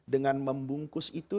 dengan membungkus itu